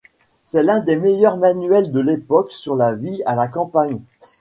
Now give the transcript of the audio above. C'est l'un des meilleurs manuels de l'époque sur la vie à la campagne.